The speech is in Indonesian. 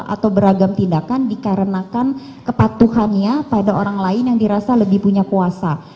atau beragam tindakan dikarenakan kepatuhannya pada orang lain yang dirasa lebih punya kuasa